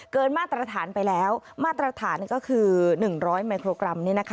มาตรฐานไปแล้วมาตรฐานก็คือ๑๐๐มิโครกรัม